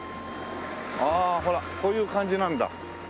ああほらこういう感じなんだ。